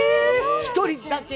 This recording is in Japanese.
１人だけ。